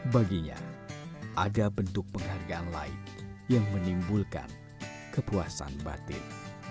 baginya ada bentuk penghargaan lain yang menimbulkan kepuasan batin